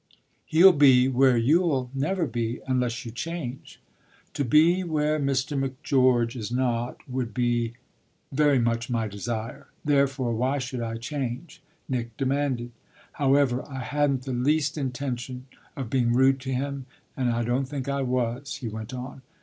"He'll be where you'll never be unless you change." "To be where Mr. Macgeorge is not would be very much my desire. Therefore why should I change?" Nick demanded. "However, I hadn't the least intention of being rude to him, and I don't think I was," he went on.